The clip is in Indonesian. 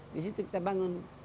di situ kita bangun